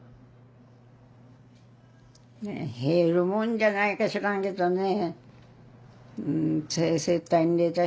減るもんじゃないか知らんけどね。